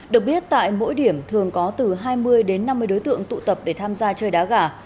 được biết tại mỗi điểm thường có từ hai mươi đến năm mươi đối tượng tụ tập để tham gia chơi đá gà